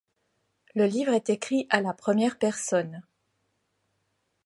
Le livre est écrit à la première personne.